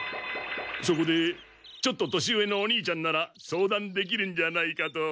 そこでちょっと年上のお兄ちゃんなら相談できるんじゃないかと！